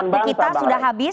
waktu kita sudah habis